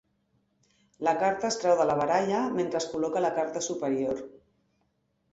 La carta es treu de la baralla, mentre es col·loca la carta superior.